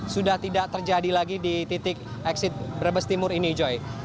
sudah tidak terjadi lagi di titik exit brebes timur ini joy